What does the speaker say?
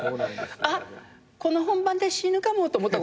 あっこの本番で死ぬかもって思ったことある。